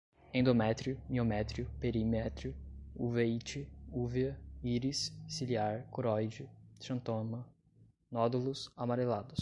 endométrio, miométrio, perimétrio, uveíte, úvea, íris, ciliar, coroide, xantoma, nódulos, amarelados